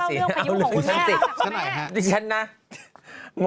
คุณแม่ต้องต้องบอกกับแบบขยุนของคุณแม่